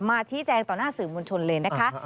ชี้แจงต่อหน้าสื่อมวลชนเลยนะคะ